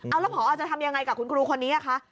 เอาแล้วพอจะทำยังไงกับคุณครูคนนี้คะ